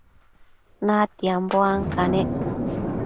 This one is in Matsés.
natianbo ancanec